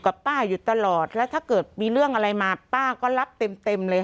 ป้าอยู่ตลอดแล้วถ้าเกิดมีเรื่องอะไรมาป้าก็รับเต็มเต็มเลย